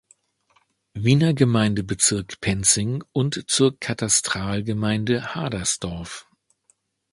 Wiener Gemeindebezirk Penzing und zur Katastralgemeinde Hadersdorf.